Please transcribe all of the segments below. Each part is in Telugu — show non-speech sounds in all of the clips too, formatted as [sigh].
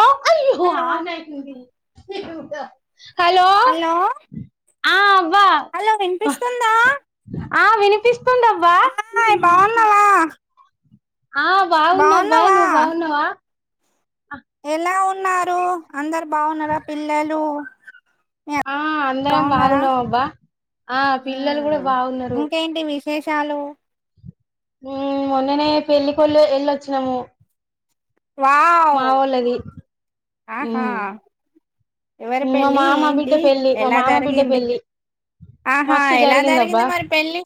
అయ్యో హలో హలో హలో ఆ అవ్వ హలో వినిపిస్తుందా ఆ వినిపిస్తుందవ్వా ఆ బాగున్నావా ఆ బాగున్నా అబ్బా బాగున్నావా నువు బాగున్నావా ఎలా ఉన్నారు అందరు బాగున్నారా పిల్లలు మీ ఆ అందరం బాగున్నారా బాగున్నాం అబ్బా ఆ పిల్లలు కూడా బాగున్నారు ఇంకేంటి విష్ హెషాలు మ్ మొన్ననే పెళ్ళికళ్ళు వెళ్ళోచ్చినాము వా మా వోల్లది ఎవరి పెళ్లి బిడ్డ ఏంటి పెళ్లి మా ఎలా మామ బిడ్డ జరిగింది పెళ్లి ఆహా మస్తు ఎలా జరిగిందబ్బా జరిగింది మరి పెళ్ళి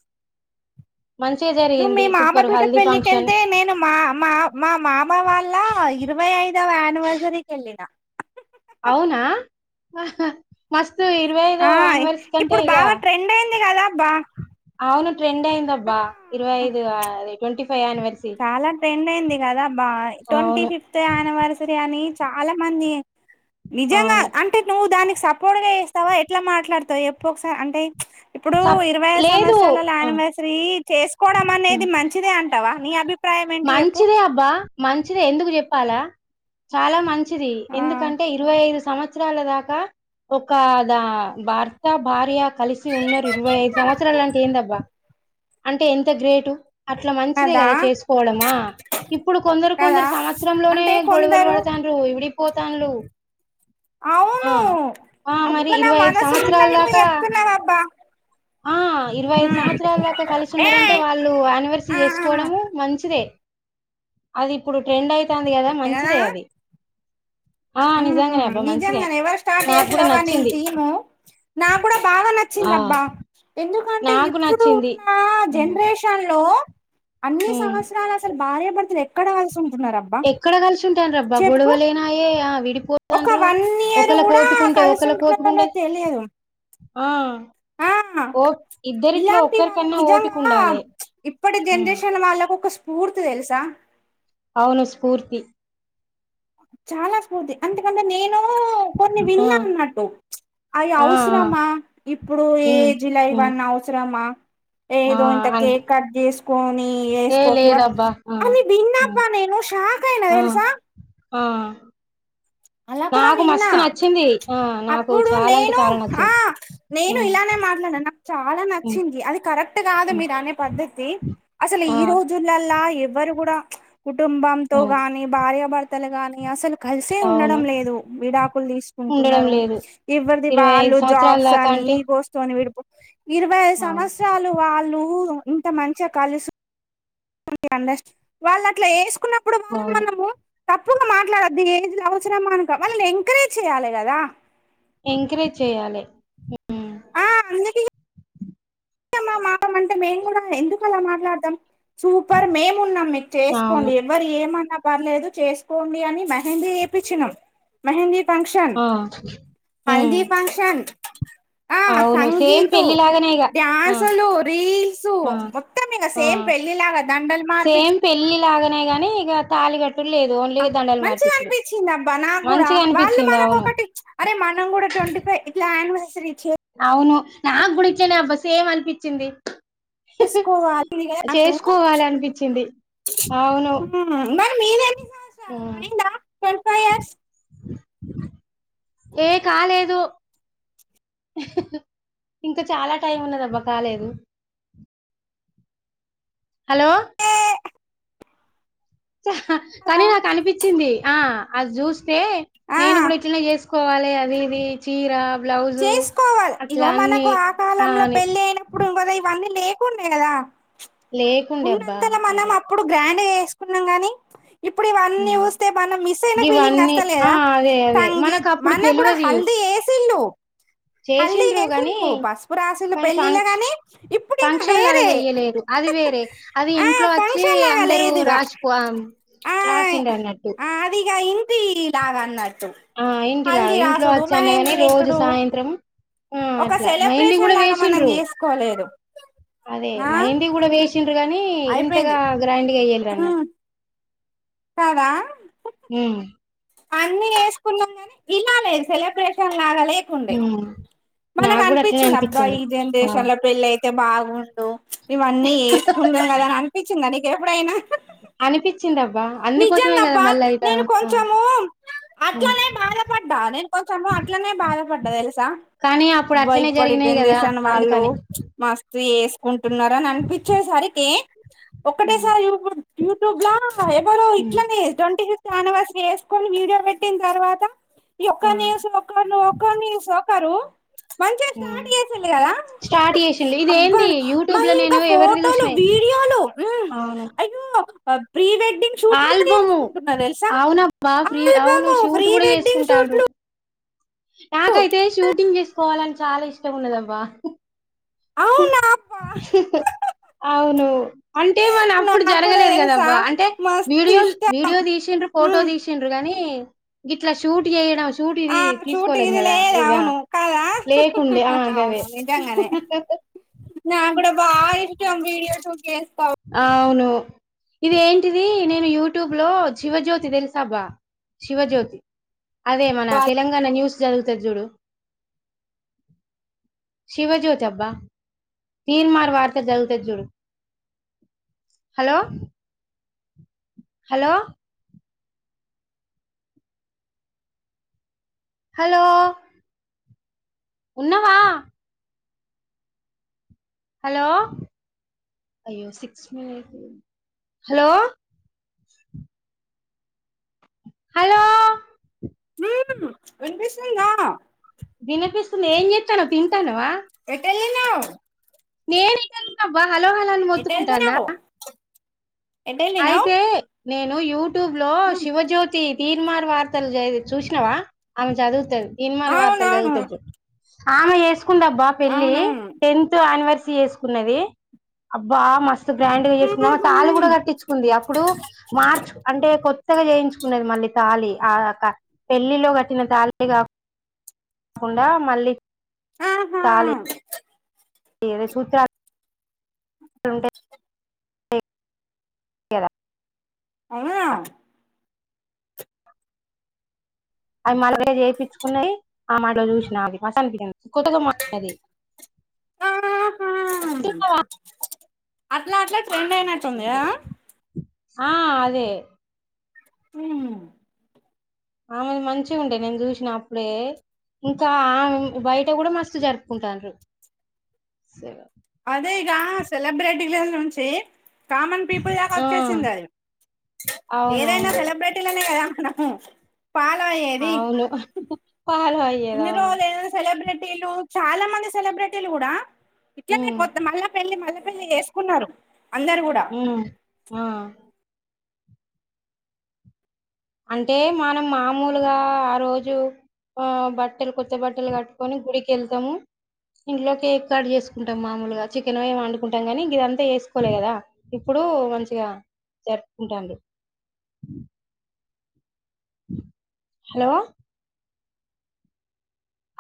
మంచిగా జ నువ్వు మీ మామ బిడ్ట పెళ్ళికెళ్తే నేను మా మా మా మామ వాళ్ళ ఇరవై ఐదవ యానివర్సరీకి వెళ్ళిన అవునా మస్తు ఇరవై ఐదో అనివర్స కంటే ఇగ ట్రెండ్యింది కదా అబ్బా అవును ట్రెండ్ అయిందబ్బ ఇరవై ఐదు ఆ ట్వంటీ ఫైవ్ యానివర్సరీ చాలా ట్రెండ్ అయింది కదా అబ ట్వంటీ అవును ఫిఫ్త్ యానివర్సరీ అని చాలా మంది నిజంగా అవును అంటే అంటే నువ్వు దానికి సపోర్ట్ గా చేస్తావా ఎట్లా మాట్లాడుతావు చెప్పు ఒకసారి అంటే ఇప్పుడు సప్ ఇరవై లేదు సంవత్సరాల ఆ యానివర్సరీ చేసుకోవడం ఉమ్. అనేది మంచిదే అంటావా నీ అభి మంచిదే అబ్బా మంచిదే ఎందుకు చెప్పాలా చాలా మంచి మంచిది ఆ ఎందుకంటే ఇరవై ఐదు సంవత్సరాల దాకా ఒకదా భర్త భార్య కలిసి ఉన్నారు ఇరవై ఐదు సంవత్సరాలు అంటే ఏందబ్బా అంటే ఎంత గ్రేటు అట్లా మంచిదే కదా చేసుకోవడమా ఇప్పుడు కొందరు కదా కొందరు సంవత్సరం లోనే అంటే గొడవలు కొందరు పడతాన్లు విడిపోతాన్లు ఆ అవును ఆ మరి అబ్బా నా ఇరవై ఐదు మనసులో సంవత్సరాల ఉన్నది నువ్వు దాకా చెప్తున్నావబ్బా ఆ ఇరవై ఐదు ఉమ్. సంవత్సరాల కలిసి ఏ ఉన్నారంటే వాళ్ళు యానివర్సరీ ఆ చేసుకోవడం మంచిదే అది ఇప్పుడు ట్రెండ్ అయితుంది కదా మంచిదే అది ఆ నిజంగానే ఉమ్ అబ్బా మంచిదే నిజంగాని ఎవరు స్టార్ట్ నాకు కూడా చేసిల్లో కానీ నచ్చింది థీము నాకూడా బాగా ఆ నచ్చిందబ్బా ఎందుకంటే నాకు ఇప్పుడు నచ్చింది ఉన్న జనరేషన్ లో అన్ని ఉమ్ సంవత్సరాల అసలు భార్యభర్తలు ఎక్కడ కలిసి ఉంటున్నారు అబ్బ ఎక్కడ కలిసి ఉంటాల్లు రబ్బా గొడవలనాయే విడిపో ఒక తాండ్లు వన్ ఇయర్ ఒకళ్ళ కూడా ఓపికుంటే కలిసి ఒకళ ఉంటున్నారో ఓపికుంటే తెలియదు ఆ ఆ ఓ ఇద్దరిట్లో ఇలాంటి వాళ్ళు ఒక్కరికన్నా ఓపిక నిజంగా ఉండాలే ఇప్పటి ఉమ్ జనరేషన్ వాళ్ళకు ఒక స్ఫూర్తి తెలుసా అవును స్ఫూర్తి చాలా స్మూర్తి అందుకంటే నేను కొన్ని ఆ విన్నా అన్నట్టు అవి ఆ ఆ అవసరమా ఇప్పుడు ఈ ఉమ్ ఏజ్ ల ఉమ్ ఇవ్వని అవసరమా ఆ ఏదో ఇంత అన్ కేక్ కట్ చేసుకోని ఏ ఏస్కోకివా లేదబ్బా ఆ అని విన్న ఆ అబ్బ నేను షాక్ అయినా ఆ తెలుసా ఆ అలా కూడా నాకు విన్నా మస్తు నచ్చింది ఆ నాకు అప్పుడు చాలా అంటే నేను చాలా నచ్చింది నేను ఉమ్ ఇలానే మాట్లాడ నా చాలా ఉమ్ నచ్చింది అది కరెక్ట్ కాదు ఉమ్ మీరు అనే పద్ద్దతి అసలు ఆ ఈ రోజు లల్లా ఎవ్వరు కూడా కుటుంబంతో ఆ గానీ భార్యాభర్తలు గానీ అసలు కలిసే అవును ఉండడం లేదు విడాకులు ఉండడం తీసుకుంటున్నారు లేదు ఇవ్వరిది ఇరవై ఐదు వాళ్ళు సంవత్సరాల జాబ్స్ దాకా అని అంటే ఈగోస్ తోని విడిపో ఇరవై ఐదు అవును సంవత్సరాలు వాళ్ళు ఇంత మంచిగా కలుసు అండస్ట్ వాళ్ళు అట్లా ఎసుకున్న అవును తప్పుగా మాట్లాడొద్దు ఈ ఏజ్లో అవసరమా అనుక్ వాళ్ళని ఎంకరేజ్ చేయ్యాలి గదా ఎంకరేజ్ చేయ్యాలి మ్ ఆ అందుకే ఇగా మా అంటే మేము గూడా ఎందుకు అలా మాట్లాడతాం సూపర్ మేము ఉన్నాం మీకు అవును చేసుకోండి ఎవరు ఏమన్నా పర్లేదు చేసుకోండి అని మెహందీ ఎపిచ్చినాం మెహందీ ఫంక్షన్ ఆ ఉమ్ హల్ది ఫంక్షన్ ఆ అవును సేమ్ సంగీతు పెళ్లిలాగానే ఇగా డ్యాన్సులు రీల్స్ మొత్తం ఇగా ఆ సేమ్ పెళ్లి లాగా దండలు మార్పిచ్చు సేమ్ పెళ్లి లాగానేగాని ఇగ తాళి కట్ కుట్టుడు లేదు ఓన్లీగా దండలు మంచిగా మార్పించడు అనిపించింది అబ్బా నాకు కూడా మంచిగా వాళ్ళు అనిపించింది మనకు అవును ఒకటి అరే మనం గూడా ట్వంటీ ఫైవ్ ఇట్లా యానివర్సరీ చె అవును నా గూడా ఇట్లనే అబ్బా సేమ్ అనిపించింది చేసుకోవాలి కదా హ నాకు చేసుకోవాలి అనిపించింది అవును మరి మీరే మ్ ఆ [inaudible] ఏ కాలేదు హ ఇంకా చాలా టైం ఉన్నదబ్బా కాలేదు హలో హ కదా కానీ నాకు అనిపించింది ఆ అది చూస్తే ఆ నేను గూడా ఇట్లనే చేస్ కోవాలి అది ఇది చీరా బ్లౌస్ చేసుకోవాలి ఇవో మనకు ఆ కాలంలో పెళ్లి అయినప్పుడు ఇంకద ఇవన్నీ లేకుండే గదా లేకుండే అబ్బా ఉన్నంతలో మనం అదే అప్పుడు గ్రాండ్ గా చేసుకున్నాం గాని ఇప్పుడు ఇవన్నీ చూస్తే మనం మిస్ అయిన ఫీలింగ్ ఇవన్నీ వస్తా ఆ లేదా అదే అదే సంగీత్ మనకు అప్పుడు మన కూడా తెలివది హల్ది ఎసిళ్ళు హలి చేసిండ్రు గాని ఎసిళ్ళు పసుపు రాసిలు పెళ్ళి లో గాని ఇప్పుడు ఇంకా ఫంక్షన్లుగా వేరే చెయలేదు అది వేరే అది ఆ ఇంట్లో వచ్చి ఫంక్షన్ లాగా అందరూ లేదుగా రాసిపో రాసిండ్ అన్నట్టు నాదిగా యిగ్ నీలాగాన్నటు ఆ ఇంటిలా ఇంట్లో వచ్చా అయిన గాని రోజు పెట్టుడు సాయంత్రం ఆ ఒక అట్లా మెహందీ సెలబ్రేషన్ గూడా లాగా మనం వేసిండ్రు చేసుకోలేదు అదే ఆ మెహందీ గూడా వేసి ఎసిండ్రు గానీ ఇంతగా అయిపోయింది గ్రాండ్గా ఎయ్యాల అన్నట్ ఉమ్ కదా ఉమ్ అన్ని ఎసుకున్నాం కాని ఇలా లేదు సెలబ్రేషన్ లాగాలేద్ ఉ మనకు అనిపించింది అబ్బా ఈ ఆ జనరేషన్ లో పెళ్ళియితే అయితే బాగుండు ఇవన్నీ ఎసుకుంటాం గదాని అనిపించింద నీకు ఎప్పుడైనా అనిపించింది అబ్బా అందుకోసమే కదా నిజంగాబ్బా మళ్ళా ఇట నేను ఆ కొంచెము ఉమ్ అట్లనే బాధపడ్డా నేన్ కొంచెం అట్లనే బాధపడ్డ తెలుసా కానీ అప్పుడు అట్లనే ఇప్పటి జరిగినాయి కదా జనరేషన్ వాళ్ళు అందుకని చ్ మస్తు ఎసుకుంటున్నార అని అనిపించేసరికి ఉమ్ ఒకటేసారి యూట్యూబ్లా ఎవరో ఉమ్ ఇట్లనే ట్వంటీ ఫిఫ్ తాను వస వేసుకొని వీడియో పెట్టిన తర్వాత ఇ ఆ ఒక్కనింసాం ఒకమానవో కానీ సోకారు మంచిగా ఉమ్ స్టార్ట్ చేసిడు కదా స్టార్ట్ చేసిండు ఇది అబ్బా ఏంది యూట్యూబ్ లో మళ్ళీ ఇంకా నేను ఎవరిది ఫోటోలు చూసినాయి వీడియోలు అవును అయ్యో ప్రీ వెడ్డింగ్ షూట్లోనే ఆల్బము ఎస్కుకుంటున్నారు తెల్సాల్ అవునబ్బా ఫ్రీ అవును అవేకాదు షూట్ ప్రీ కూడా వెడ్ంగ్ చేసుకుంటారు షూట్లు నాకైతే షూటింగ్ చేసుకోవాలని చాలా ఇష్టం ఉండదబ్బా అవునా అబ్బా అవును అంటే మన అప్పుడు నాకు కూడా జరగలేదు తెలుసా కదబ్బా అంటే మస్తు వీడియోల్ ఇష్టం వీడియో తీస ఫోటో ఉమ్ తీస షిండ్రు గాని ఇట్లా షూట్ చేయడం షూట్ ఇది షూట్ంగ్ తీసుకోలేం ఇదిలే కదా ఏద ఇక అవును కదా లేకుండే ఆ అవును గదే నిజంగానే నాగూడ బా ఇష్టం వీడియో షూట్ చేస్తా అవును ఇది ఏంటిది నేను యూట్యూబ్ లో శివజ్యోతి తెల్సబ్బా శివజ్యోతి అదే మన తెలంగాణ న్యూస్ జాదువుతాది జూడు శివజ్యోతబ్బా తీన్మార్ వార్తలూ చదువుతాది చూడు హలో హలో హలో ఉన్నవా హలో అయ్యో సిక్స్ మినిటే ఉంది హలో హలో విన్పిస్తుందా విన్పిస్తుంది ఏం చెతానో తింటన్నావా ఎట్టేళ్ళినవ్ నేను ఇక్కడే ఉన్నబ్బా హలోహలాన్ని మొత్తుకుంటానా ఎటెళ్తున్నావ్ ఎటెళ్ళినావ్ అయితే నేను యూట్యూబ్లో ఉమ్ శివజ్యోతి తీన్మార్ వార్తలు చూసినావా ఆమె చదువుతది తిన్మార్ వార్తలు అవునవును చదువుతుది ఆమె చెస్కుందబ్బా పెళ్లి అవునవును టెన్త్ అనివెర్స్సరీ చెస్ న్నది అబ్బా మస్తు గ్రాండ్గా ఉహు చేసుకున్నా తాళి కూడా కట్టించుకుంది అప్పుడు మార్చు అంటే కొత్తగా చేయించుకున్నది మళ్ళీ తాాలి ఆ పెళ్లిలో కట్టిన తాళే కా కాకుండా మళ్ళీ ఆహా ఏ సూత్ర ఉంటే కేర అవునా అవి మళ్ళే చేపిచ్కున్నాయి అమట్ల చూస్ననాది మా అనిపించంది కొత్తగా మచుకూనది [unintelligible] అట్లా అట్లా ట్రెండ్ అయినట్టు ఉందికదా ఆ అదే ఆ ఆమె మంచిగుంటది నేను చూస్న అప్పుడే ఇంకా ఆ బయట కూడా మస్తు జరుపుకుంటాన్రు సే అదే ఇగా సెలబ్రిటీలా నుంచే కామన్ పీపుల్ కా ఆ వచ్చేసింది అది ఏదైనా అవునవును సెలబ్రిటీలనే కదా హు ఫాలో అయ్యే అవును ఫాలో అయ్యి ఇన్ని రోజు ఏదైనా సెలబ్రిటీలు చాలా మంది సెలబ్రిటీలు కూడా ఇట్లనే ఉమ్ కొత్త మళ్లా పెళ్లి మళ్ల్ల పెళ్లి చేేసుకున్నారు అందరు కూడా ఉ ఆ అంటే మనం మామూలుగా ఆ రోజు ఆ బట్టలు కొత్త బట్టలు కట్టుకొని గుడికేళ్తాము ఇంట్లో కేక్ కట్ చేసుకుంటాం మాముూలుగా చికెన్ అయ్యి వండుకుంటాం కానీ గిదంతా వేసుకోలే కదా ఇప్పుడు మంచిగా జరుపుకుంటాడు హలో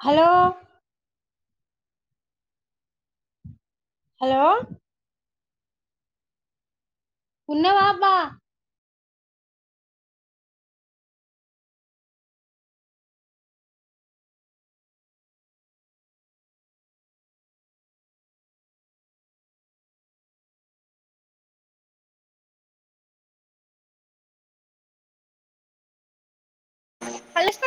హలో హలో ఉన్నావా బా మళ్ళీ